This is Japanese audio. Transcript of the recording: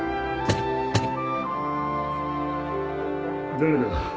・誰だ？